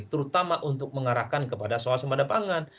terutama untuk mengarahkan kepada soal semadapangan